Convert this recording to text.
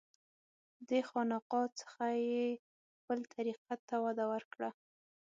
دې خانقاه څخه یې خپل طریقت ته وده ورکړه.